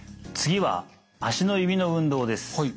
次は足の指の運動です。